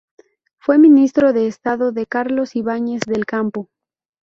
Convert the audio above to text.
Fue ministro de Estado de Carlos Ibáñez del Campo.